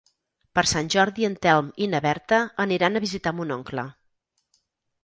Per Sant Jordi en Telm i na Berta aniran a visitar mon oncle.